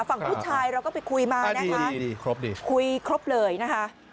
ฝั่งผู้ชายเราก็ไปคุยมานะคะคุยครบเลยนะคะค่ะดีครบดี